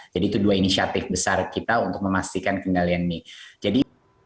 jadi itu dua inisiatif besar kita untuk memastikan kendalian ini